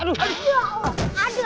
aduh aduh aduh